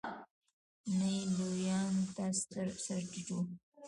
نه یې لویانو ته سر ټيټ و.